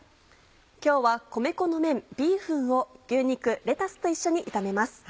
今日は米粉の麺ビーフンを牛肉レタスと一緒に炒めます。